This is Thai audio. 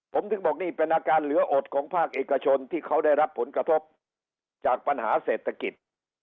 ผมถึงบอกนี่เป็นอาการเหลืออดของภาคเอกชนที่เขาได้รับผลกระทบจากปัญหาเศรษฐกิจ